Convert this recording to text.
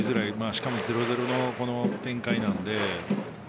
しかも、０‐０の展開なので。